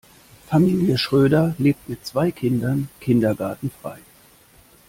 Familie Schröder lebt mit zwei Kindern kindergartenfrei.